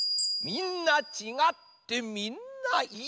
みんなちがってみんないい。